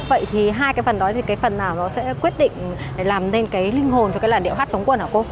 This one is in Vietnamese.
vậy thì hai cái phần đó thì cái phần nào nó sẽ quyết định để làm nên cái linh hồn cho cái làn điệu hát chống quân hả cô